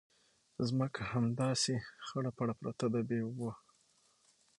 ځمکه هم همداسې خړه پړه پرته ده بې اوبو.